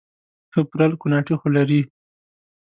ښه پرل کوناټي خو لري